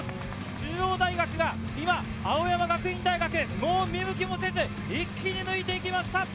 中央大学が青山学院大学、見向きもせず一気に抜いてきました。